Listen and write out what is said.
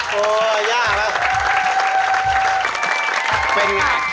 ห้อยยากแล้ว